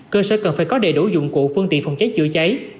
cơ sở cần phải có đầy đủ dụng cụ phân tị phòng cháy chữa cháy